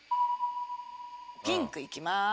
ピンクいきまーす